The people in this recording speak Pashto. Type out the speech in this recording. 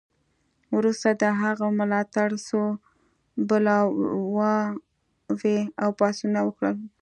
وروسته د هغه ملاتړو څو بلواوې او پاڅونونه وکړل.